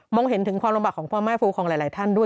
เห็นถึงความลำบากของพ่อแม่ฟูของหลายท่านด้วย